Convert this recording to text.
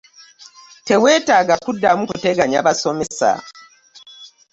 Teweetaaga kuddamu kutegenya basomesa.